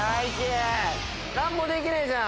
何もできねえじゃん。